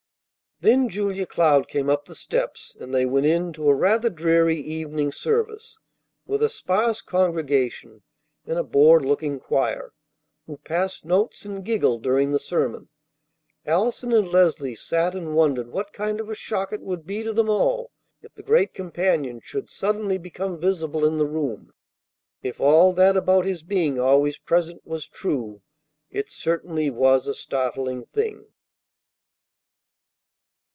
Then Julia Cloud came up the steps, and they went in to a rather dreary evening service with a sparse congregation and a bored looking choir, who passed notes and giggled during the sermon. Allison and Leslie sat and wondered what kind of a shock it would be to them all if the Great Companion should suddenly become visible in the room. If all that about His being always present was true, it certainly was a startling thing.